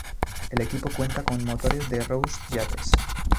El equipo cuenta con motores de Roush Yates.